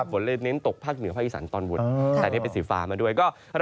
ฝนไปเน้นตกพากต์เหนือฝ้ายสันตอนบุรแต่เป็นสีฟ้ามาด้วย